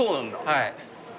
はい。